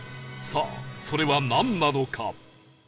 さあそれはなんなのか？